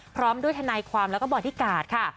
พร้อมด้วยธนัยความแล้วก็บริการค่ะ